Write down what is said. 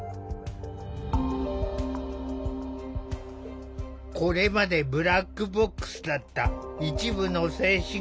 これまでブラックボックスだった一部の精神科病院の実態。